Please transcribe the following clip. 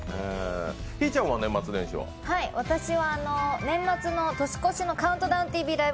私は年末の年越しの「ＣＤＴＶライブ！